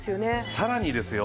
さらにですよ